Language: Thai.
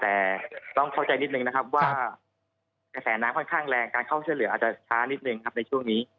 แต่ต้องเข้าใจนิดนึงนะครับว่ากระแสน้ำค่อนข้างแรงการเข้าช่วยเหลืออาจจะช้านิดนึงครับในช่วงนี้